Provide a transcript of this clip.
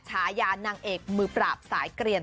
ฉายานางเอกมือปราบสายเกลียน